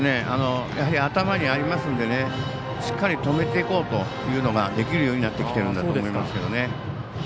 やはり頭にありますのでしっかり止めていこうというのができるようになっているんだと思いますけどね。